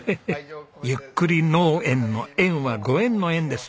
ゆっくり農縁の縁はご縁の「縁」です！